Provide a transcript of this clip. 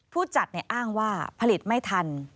ผู้จัดอ้างว่าผลิตไม่ทัน